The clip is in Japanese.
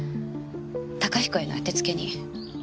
高彦へのあてつけに。